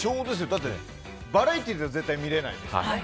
だって、バラエティーじゃ絶対見れないですよね。